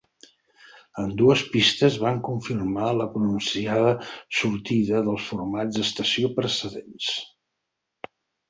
Ambdues pistes van confirmar la pronunciada sortida dels formats d'estació precedents.